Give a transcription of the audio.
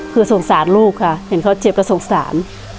คือสงสารลูกค่ะเห็นเขาเจ็บแล้วสงสาร